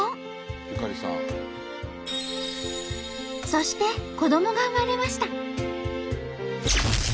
そして子どもが生まれました。